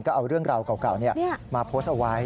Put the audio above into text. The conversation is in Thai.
ก็เอาเรื่องราวเก่ามาโพสต์เอาไว้